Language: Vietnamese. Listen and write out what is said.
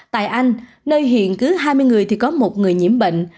tại anh nơi hiện cứ hai mươi người thì có một người nhiễm bệnh